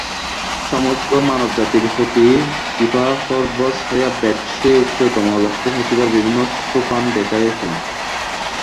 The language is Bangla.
সমগ্র মানবজাতির প্রতি কৃপাপরবশ হইয়া বেদ সেই উচ্চতম লক্ষ্যে পৌঁছিবার বিভিন্ন সোপান দেখাইয়াছেন।